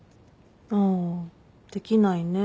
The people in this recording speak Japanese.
ああできないね